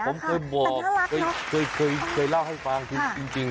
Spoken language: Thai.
แต่ผมเคยบอกเคยเล่าให้ฟังจริง